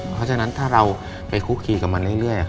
เพราะฉะนั้นถ้าเราไปคุกคีกับมันเรื่อย